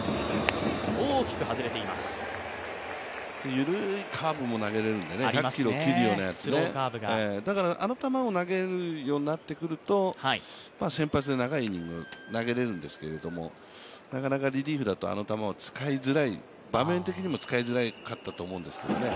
緩いカーブも投げれるんで、１００キロ切れるようなやつね、だからあの球を投げるようになってくると先発で長いイニング投げれるんですけれどもなかなかリリーフだとあの球、使いづらい、場面的にも使いづらかったんだと思うんですけどね。